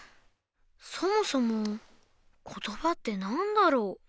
そもそも言葉って何だろう？